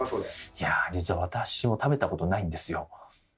いや実は食べたことないんですか？